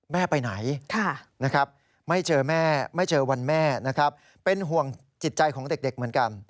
แม่ไปไหนนะครับไม่เจอแม่ไม่เจอวันแม่นะครับเป็นห่วงจิตใจของเด็กเหมือนกัน